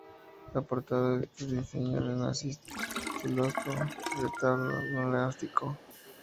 La portada es de diseño renacentista-siloesco, de retablo neoclásico.